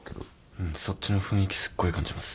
うんそっちの雰囲気すっごい感じます。